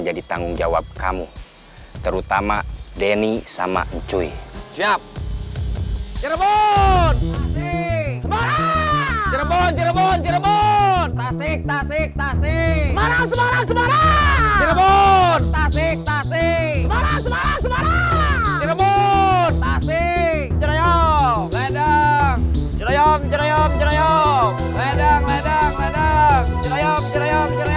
jadi tanggung jawab kamu terutama denny sama joy siap cirebon cirebon cirebon